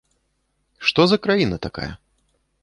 Што за краіна такая?